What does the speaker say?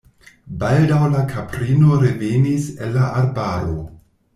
Baldaŭ la kaprino revenis el la arbaro.